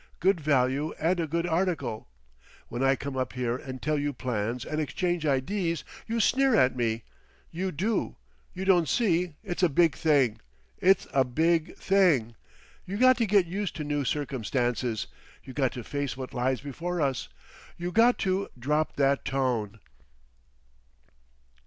Good value and a good article.... When I come up here and tell you plans and exchange idees—you sneer at me. You do. You don't see—it's a big thing. It's a big thing. You got to get used to new circumstances. You got to face what lies before us. You got to drop that tone."